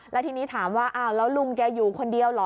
แล้วทีนี้ถามว่าอ้าวแล้วลุงแกอยู่คนเดียวเหรอ